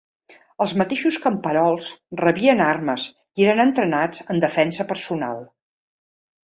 Els mateixos camperols rebien armes i eren entrenats en defensa personal.